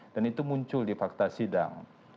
dan itu muncul di fakta sidang